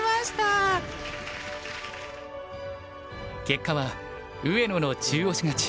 結果は上野の中押し勝ち。